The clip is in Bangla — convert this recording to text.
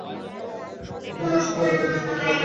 মিছিলটি শহরের প্রধান সড়ক ঘুরে আবার একই স্থানে এসে শেষ হয়।